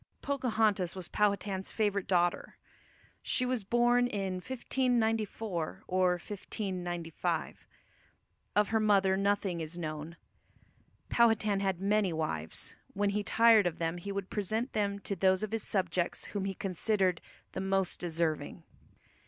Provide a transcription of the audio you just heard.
Pocahontas was Powhatan's favourite daughter. She was born in 1594 or 1595. Of her mother nothing is known. Powhatan had many wives; when he tired of them he would present them to those of his subjects whom he considered the most deserving.